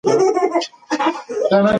تاسو باید اوس د پخلي او خیاطۍ هنر زده کړئ.